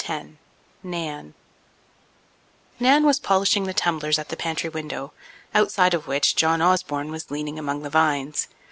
NanToC Nan was polishing the tumblers at the pantry window, outside of which John Osborne was leaning among the vines.